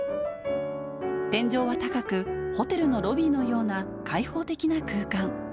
天井は高く、ホテルのロビーのような開放的な空間。